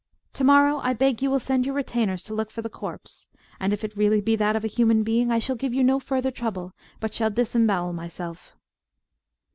To morrow I beg you will send your retainers to look for the corpse; and if it really be that of a human being, I shall give you no further trouble, but shall disembowel myself."